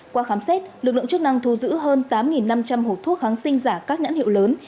qua khám xét lực lượng chức năng thu giữ hơn tám năm trăm linh hộp thuốc kháng sinh giả các nhãn hiệu lớn